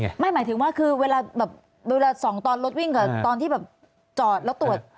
หมายถึงว่าคือเวลาส่องตอนรถวิ่งกับตอนที่จอดแล้วตรวจ